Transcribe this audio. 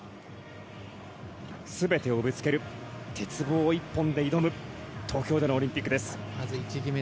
全てをぶつける鉄棒一本で挑む東京でのオリンピックです。